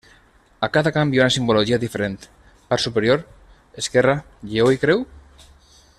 A cada camp hi ha una simbologia diferent: part superior: esquerra: lleó i creu?